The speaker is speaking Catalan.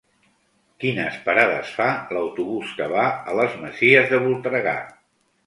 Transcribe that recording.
Quines parades fa l'autobús que va a les Masies de Voltregà?